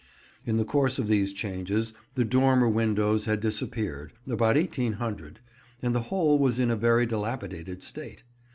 In the course of these changes the dormer windows had disappeared, about 1800, and the whole was in a very dilapidated state.